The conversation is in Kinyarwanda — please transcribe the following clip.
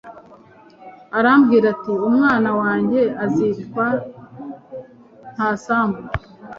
Arambwira ati :" Umwana wanjye azitwa :ntasambu